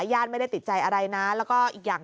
ญาติไม่ได้ติดใจอะไรนะแล้วก็อีกอย่าง